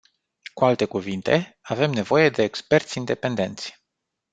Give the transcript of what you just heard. Cu alte cuvinte, avem nevoie de experți independenți.